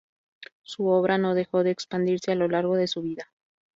Su obra no dejó de expandirse a lo largo de su vida.